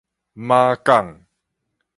馬港